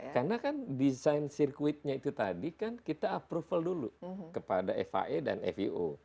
karena kan desain sirkuitnya itu tadi kan kita approval dulu kepada fae dan fio